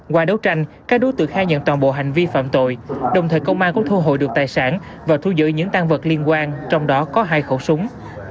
qua đấu tranh các đối tượng khai nhận toàn bộ hành vi phạm tội đồng thời công an cũng thu hồi được tài sản và thu giữ những tan vật liên quan trong đó có hai khẩu súng